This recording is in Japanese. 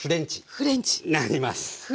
フレンチ！なります。